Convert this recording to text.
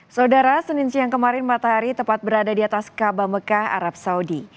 saudara senin siang kemarin matahari tepat berada di atas kaba mekah arab saudi